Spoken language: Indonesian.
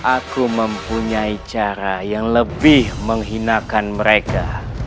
aku mempunyai cara yang lebih menghinakan mereka